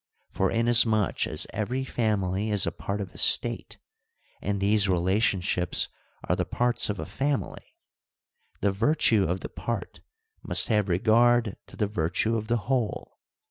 For inasmuch as every family is a part of a State, and these relationships are the parts of a family, the virtue of the part must have regard to the virtue of the whole.